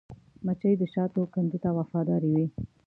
مچمچۍ د شاتو کندو ته وفاداره وي